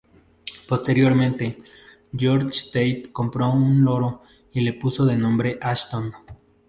Posteriormente, George Tate compró un loro y le puso de nombre Ashton.